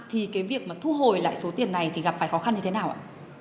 thì cái việc thu hồi lại số tiền này gặp phải khó khăn như thế nào ạ